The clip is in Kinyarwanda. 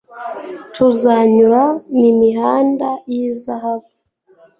Tuzanyura m' imihanda y 'izahabu